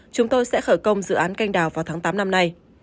chúng tôi sẽ khởi công dự án canh đào vào tháng tám năm nay